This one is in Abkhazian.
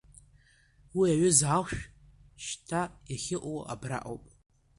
Уи аҩыза ахәшә шьҭа иахьыҟоу абраҟоуп!